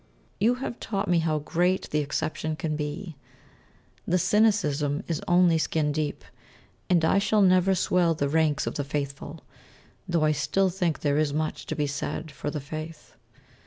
You have taught me how great the exception can be. The cynicism is only skin deep, and I shall never swell the ranks of the Faithful though I still think there is much to be said for the Faith.